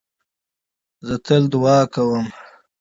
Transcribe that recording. زه تل دؤعا کوم.